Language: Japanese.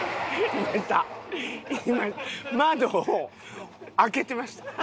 今窓を開けてました。